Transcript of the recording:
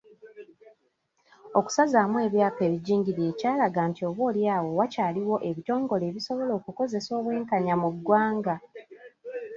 Okusazaamu ebyapa ebijingirire kyalaga nti oboolyawo wakyaliwo ebitongole ebisobola okukozesa obwenkanya mu ggwanga.